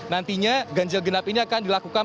nantinya ganjil genap ini akan dilakukan